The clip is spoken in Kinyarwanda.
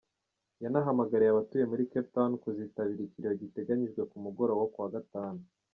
Yanahamagariye abatuye muri Cape Town kuzitabira ikiriyo giteganyijwe ku mugoroba wo kuwa Gatanu.